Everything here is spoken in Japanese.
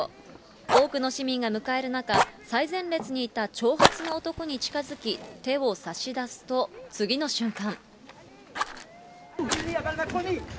多くの市民が迎える中、最前列にいた長髪の男に近づき、手を差し出すと、次の瞬間。